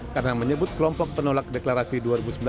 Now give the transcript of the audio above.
karena menyebut kelompok penolak deklarasinya